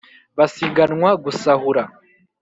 basiganwa gusahura